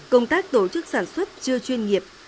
công tác tổ chức sản xuất chưa chuyên nghiệp